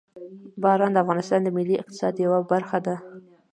باران د افغانستان د ملي اقتصاد یوه برخه ده.